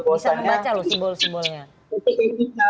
bisa membaca loh simbol simbolnya